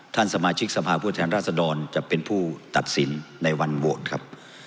ท่านสมาชิกสภาพผู้แทนราษฎรจะเป็นผู้ตัดสินในวันโหวตครับ